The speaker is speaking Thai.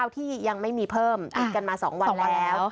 ที่ยังไม่มีเพิ่มติดกันมา๒วันแล้ว